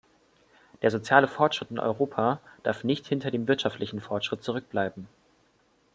Der soziale Fortschritt in Europa darf nicht hinter dem wirtschaftlichen Fortschritt zurückbleiben.